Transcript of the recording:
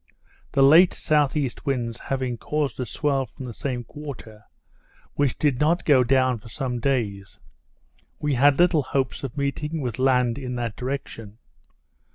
The late S.E. winds having caused a swell from the same quarter, which did not go down for some days, we had little hopes of meeting with land in that direction.